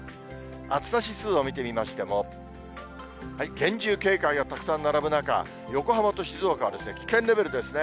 暑さ指数を見てみましても、厳重警戒がたくさん並ぶ中、横浜と静岡は危険レベルですね。